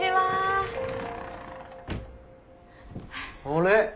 あれ？